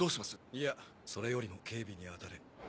いやそれよりも警備に当たれ。